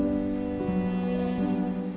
kenapa slb itu tetap sepaham